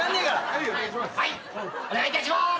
お願いいたします！